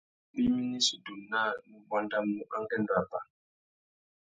Abimî nà issutu naā nu buandamú angüêndô abà.